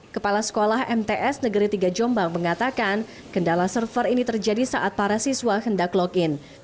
kepala sekolah mts negeri tiga jombang mengatakan kendala server ini terjadi saat para siswa hendak login